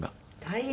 大変！